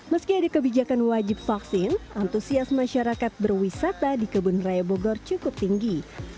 meski ada kebijakan wajib vaksin antusias masyarakat berwisata di kebun raya bogor cukup tinggi